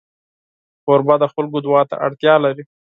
کوربه د خلکو دعا ته اړتیا لري.